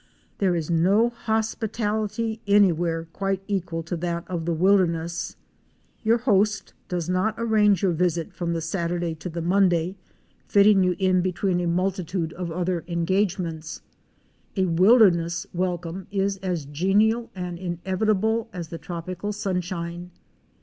There is no hospitality anywhere quite equal to that of the wilderness. Your host does not arrange your visit from the Saturday to the Monday, fitting you in between a multitude A WOMAN'S EXPERIENCES IN VENEZUELA. 89 of other engagements. A wilderness welcome is as genial and inevitable as the tropical sunshine.